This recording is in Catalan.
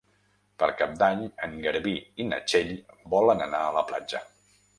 Per Cap d'Any en Garbí i na Txell volen anar a la platja.